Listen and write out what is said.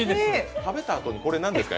食べたあとに、これ何ですか？